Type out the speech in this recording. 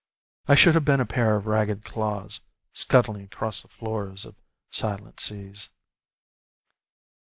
... I should have been a pair of ragged claws Scuttling across the floors of silent seas.